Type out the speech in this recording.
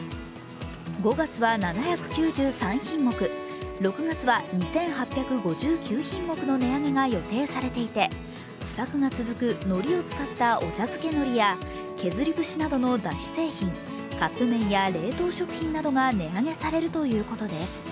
５月は７９３品目、６月は２８５９品目の値上げが予定されていて、不作が続くのりを使ったお茶づけ海苔や削り節などのだし製品カップ麺や冷凍食品などが値上げされるということです。